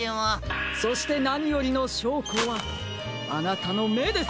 そしてなによりのしょうこはあなたのめです！